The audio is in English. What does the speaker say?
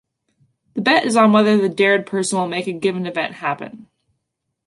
The bet is on whether the "dared" person will make a given event happen.